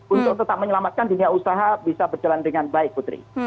untuk tetap menyelamatkan dunia usaha bisa berjalan dengan baik putri